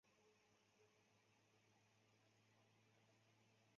陶努斯山区柯尼希施泰因是德国黑森州霍赫陶努斯县的一个市镇。